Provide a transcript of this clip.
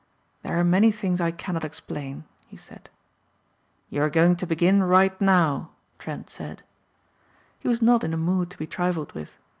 "There are many things I cannot explain," he said. "You are going to begin right now," Trent said. He was not in a mood to be trifled with.